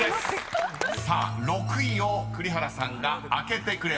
［さあ６位を栗原さんが開けてくれました］